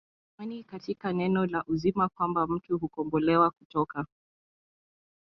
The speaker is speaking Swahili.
ya imani katika Neno la Uzima kwamba mtu hukombolewa kutoka